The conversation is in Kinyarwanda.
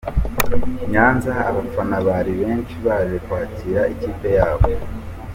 I Nyanza abafana bari benshi baje kwakira ikipe yabo.